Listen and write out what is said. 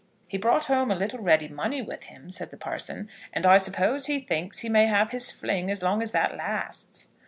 "He brought home a little ready money with him," said the parson; "and I suppose he thinks he may have his fling as long as that lasts."